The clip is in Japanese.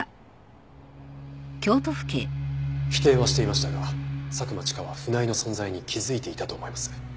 否定はしていましたが佐久間千佳は船井の存在に気づいていたと思います。